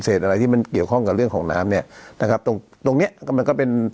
อะไรที่มันเกี่ยวข้องกับเรื่องของน้ำเนี่ยนะครับตรงตรงเนี้ยก็มันก็เป็น